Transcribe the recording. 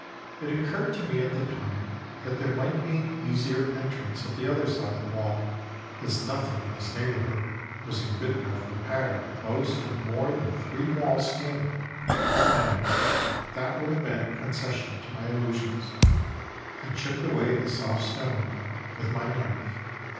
It occurred to me at the time that there might be an easier entrance at the other side of the wall, as nothing in this neighborhood was in good enough repair to boast of more than three walls standing; but no, that would have been a concession to my illusions. I chipped away at the soft stone with my knife.